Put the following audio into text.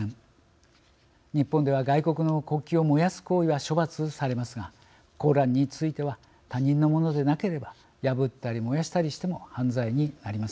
日本では外国の国旗を燃やす行為は処罰されますが「コーラン」については他人のものでなければ破ったり燃やしたりしても犯罪になりません。